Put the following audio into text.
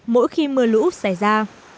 mỗi khi mưa lũ xảy ra